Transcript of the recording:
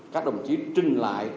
các đồng chí trình lại